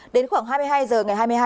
đến khoảng hai mươi hai h ngày hai mươi hai